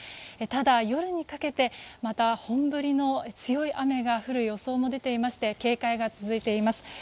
ただ、夜にかけてまた本降りの強い雨が降る予想も出ていまして警戒が続いています。